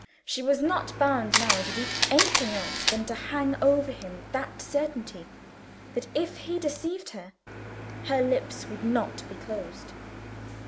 She was not bound now to do anything else than to hang over him that certainty, that if he deceived her, her lips would not be closed.